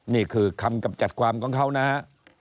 นี่คือคำกำจัดความของเขานะฮะ